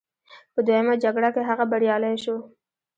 په دویمه جګړه کې هغه بریالی شو.